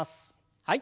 はい。